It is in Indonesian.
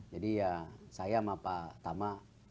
jadi ya saya sama pak tama